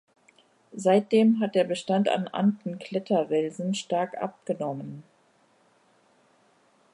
Seitdem hat der Bestand an Anden-Kletterwelsen stark abgenommen.